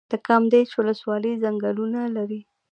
د کامدیش ولسوالۍ ځنګلونه لري